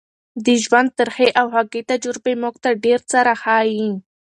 د ژوند ترخې او خوږې تجربې موږ ته ډېر څه راښيي.